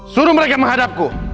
suruh mereka menghadapku